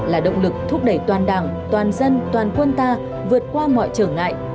là động lực thúc đẩy toàn đảng toàn dân toàn quân ta vượt qua mọi trở ngại